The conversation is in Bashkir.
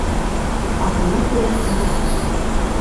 Атына күрә санаһы